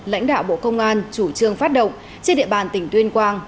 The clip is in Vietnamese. lãnh đạo bộ công an chủ trương phát động trên địa bàn tỉnh tuyên quang